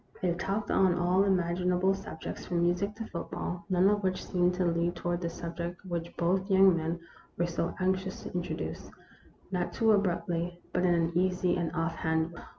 They talked on all imaginable sub jects, from music to football, none of which seemed to lead toward the subject which both young men 2O2 THE ROMANCE OF A SPOON. were so anxious to introduce, not too abruptly, but in an easy and off hand way.